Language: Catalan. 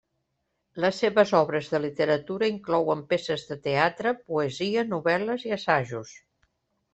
Les seves obres de literatura inclouen peces de teatre, poesia, novel·les i assajos.